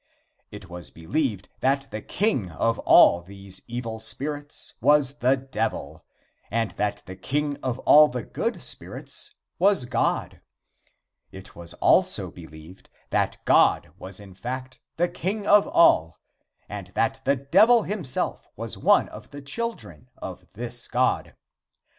It was believed that the king of all these evil spirits was the Devil, and that the king of all the good spirits was God. It was also believed that God was in fact the king of all, and that the Devil himself was one of the children of this God.